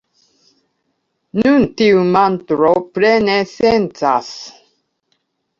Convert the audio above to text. Nun, tiu mantro plene sencas.